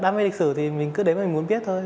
đam mê lịch sử thì mình cứ đến mình muốn biết thôi